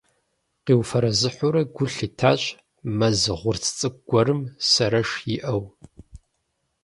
Къиуфэрэзыхьурэ гу лъитащ мэз гъурц цӀыкӀу гуэрым сэрэш иӀэу.